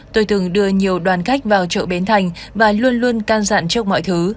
tôi từng đưa nhiều đoàn khách vào chợ bến thành và luôn luôn can dặn chốc mọi thứ